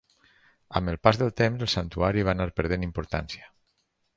Amb el pas del temps, el santuari va anar perdent importància.